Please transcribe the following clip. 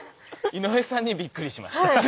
井上さんにびっくりしました。